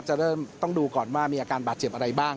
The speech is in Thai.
จะเริ่มต้องดูก่อนว่ามีอาการบาดเจ็บอะไรบ้าง